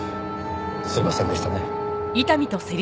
すいませんでしたね。